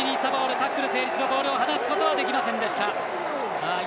タックル成立後ボールを放すことはできませんでした。